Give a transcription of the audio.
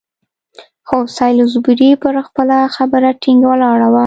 خو سالیزبوري پر خپله خبره ټینګ ولاړ وو.